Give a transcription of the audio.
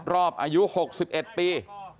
รอบอายุ๖๑ปี